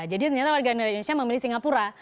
jadi ternyata warga negara indonesia memilih singapura